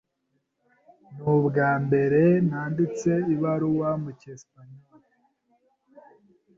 Ni ubwambere nanditse ibaruwa mu cyesipanyoli.